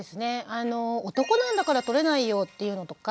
「男なんだからとれないよ」っていうのとか